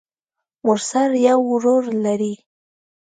مرسل يو ورور لري.